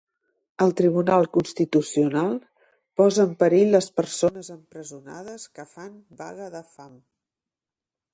El Tribunal Constitucional posa en perill les persones empresonades que fan vaga de fam.